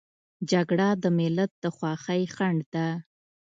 جګړه د ملت د خوښۍ خنډ ده